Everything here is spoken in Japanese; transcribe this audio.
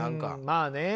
まあね。